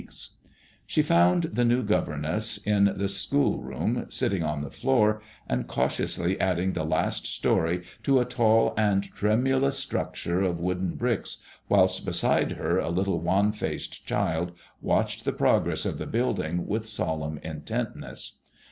46 MADKMOISSLLB IXlL She found the new governess in the school room, sitting on the floor, and cautiously adding the last storey to a tall and tremulous structure of wooden bricks, whilst beside her a little, wan faced child watched the progress of the building with solemn intentness.